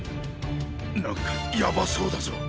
なんかヤバそうだぞ。